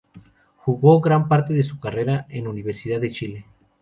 Jugó gran parte de su carrera en Universidad de Chile.